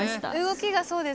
動きがそうですよね。